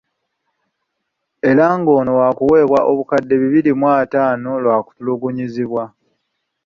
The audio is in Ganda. Era ng'ono waakuweebwa obukadde bibiri ataano lwakutulugunyizibwa.